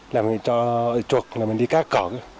là mình cho trột mình đi cá cào